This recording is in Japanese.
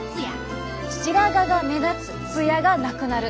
白髪が目立つツヤがなくなる。